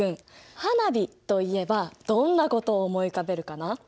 花火といえばどんなことを思い浮かべるかな？